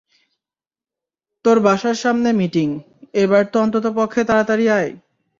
তোর বাসার সামনে মিটিং, এবার তো অন্ততপক্ষে তাড়াতাড়ি আয়।